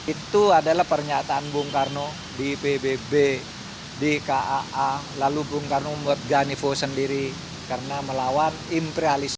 itu adalah pernyataan bung karno di pbb di kaa lalu bung karno membuat ganivo sendiri karena melawan imperialisme